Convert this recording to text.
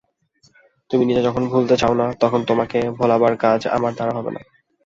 তুমি নিজে যখন ভুলতে চাও না তখন তোমাকে ভোলাবার কাজ আমার দ্বারা হবে না।